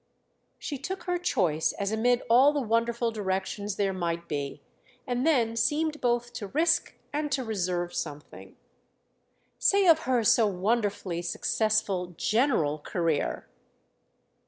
She took her choice as amid all the wonderful directions there might be, and then seemed both to risk and to reserve something. "Say of her so wonderfully successful general career."